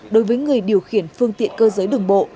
đối với người điều khiển phương tiện cơ giới đường bộ